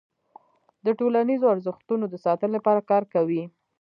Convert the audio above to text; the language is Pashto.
د ټولنیزو ارزښتونو د ساتنې لپاره کار کوي.